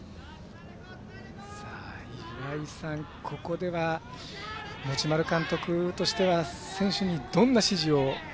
岩井さん、ここでは持丸監督としては選手にどんな指示を？